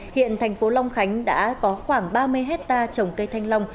hiện thành phố long khánh đã có khoảng ba mươi hectare trồng cây thanh long